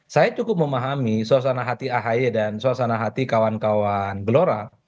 saya cukup memahami suasana hati ahy dan suasana hati kawan kawan gelora